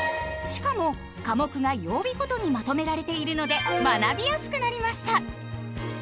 しかも科目が曜日ごとにまとめられているので学びやすくなりました！